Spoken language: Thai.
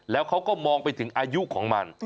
แล้วเขาก็มองไปถึงอายุของมัน